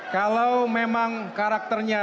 kalau memang karakternya